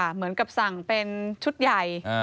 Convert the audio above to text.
เหมือนกับสั่งเป็นชุดใหญ่